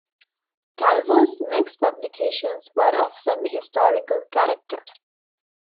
Calvo's next publications were of a semi-historical character.